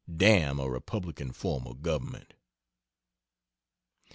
Dam a republican form of government.